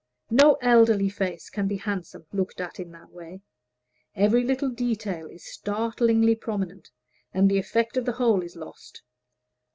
No elderly face can be handsome, looked at in that way; every little detail is startlingly prominent, and the effect of the whole is lost.